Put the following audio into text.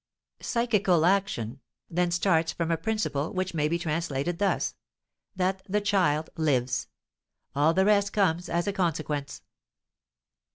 "Psychical action," then, starts from a principle which may be translated thus: "that the child lives." All the rest comes as a consequence.